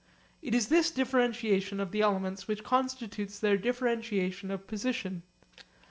It is this differentiation of the elements which constitutes their differentiation of position.